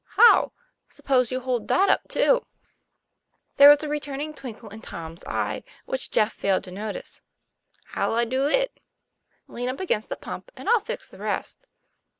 "How?" "Suppose you hold that up too." There was a returning twinkle in Tom's eye, which Jeff failed to notice. 22 TOM PLAYFAIR. "How'll I do it?" " Lean up against the pump, and I'll fix the rest."